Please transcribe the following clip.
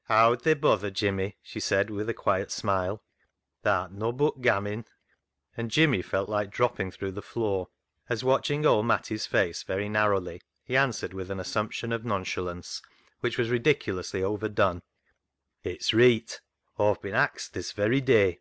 " Howd thy bother, Jimmy," she said, with a quiet smile, " th' art nobbut gammin'." And Jimmy felt like dropping through the floor as, watching old Matty's face very narrowly, he answered, with an assumption of nonchalance which was ridiculously overdone —*' It's reet. Aw've been axed this varry day."